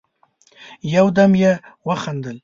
يودم يې وخندل: